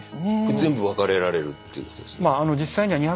全部分かれられるということですか。